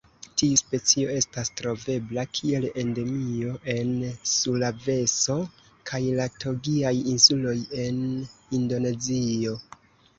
Tiu specio estas trovebla kiel endemio en Sulaveso kaj la Togiaj Insuloj en Indonezio.